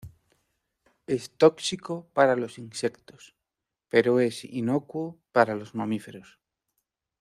Es tóxico para los insectos, pero es inocuo para los mamíferos.